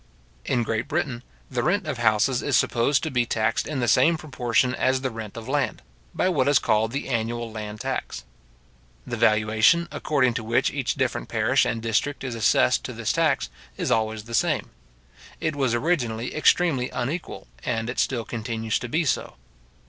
In Great Britain the rent of houses is supposed to be taxed in the same proportion as the rent of land, by what is called the annual land tax. The valuation, according to which each different parish and district is assessed to this tax, is always the same. It was originally extremely unequal, and it still continues to be so.